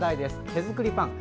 手作りパン。